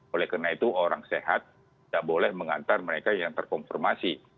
oleh karena itu orang sehat tidak boleh mengantar mereka yang terkonfirmasi